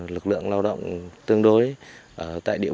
lực lượng lao động tương đối ở tại địa